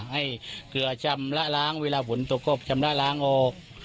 ให้เผื่อจำระล้างเวลาฝุ่นตกก็จำระล้างออก